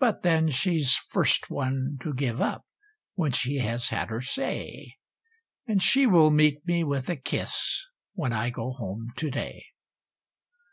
But then she's first one to give up when she has had her say; And she will meet me with a kiss, when I go home to day.